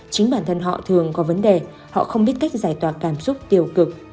chính bản thân họ thường có vấn đề họ không biết cách giải tỏa cảm xúc tiêu cực